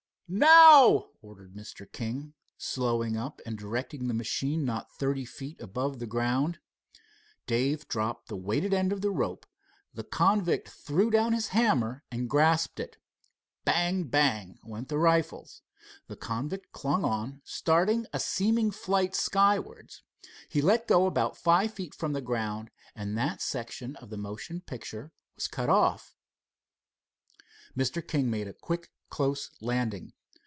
"Now," ordered Mr. King, slowing up and directing the machine not thirty feet above the ground. Dave dropped the weighted end of the rope. The convict threw down his hammer and grasped it. Bang! bang! went the rifles. The convict clung on, starting a seeming flight skywards. He let go five feet from the ground, and that section of the motion picture was cut off. Mr. King made a quick close landing.